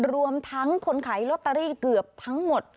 รวมทั้งคนขายลอตเตอรี่เกือบทั้งหมด